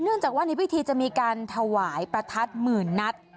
จากว่าในพิธีจะมีการถวายประทัดหมื่นนัด